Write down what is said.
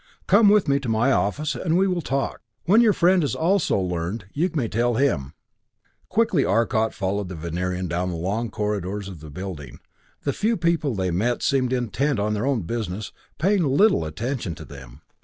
"Come with me to my office, and we will talk. When your friend has also learned, you may tell him." Quickly Arcot followed the Venerian down the long corridors of the building. The few people they met seemed intent on their own business, paying little attention to them.